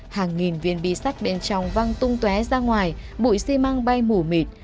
hàng nghìn viên bi sắt bên trong văng tung tué ra ngoài bụi xi măng bay mủ mịt